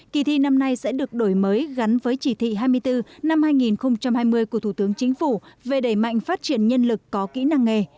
kỳ thi năm nay sẽ được đổi mới gắn với chỉ thị hai mươi bốn năm hai nghìn hai mươi của thủ tướng chính phủ về đẩy mạnh phát triển nhân lực có kỹ năng nghề